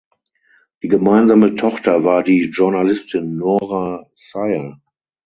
Die gemeinsame Tochter war die Journalistin Nora Sayre.